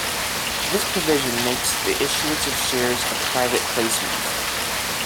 This provision makes the issuance of shares a private placement.